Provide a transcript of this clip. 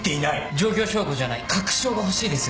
状況証拠じゃない確証が欲しいですよね。